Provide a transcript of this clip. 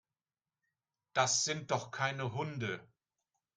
Das sind doch keine Hunde.